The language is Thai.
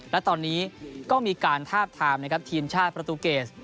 และตอนนี้ก็มีการทาบทามนะครับทีมชาติประตูเกส